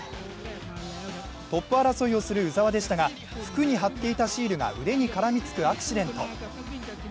トップ争いをする鵜澤でしたが服に貼っていたシールが腕に張りつくアクシデント。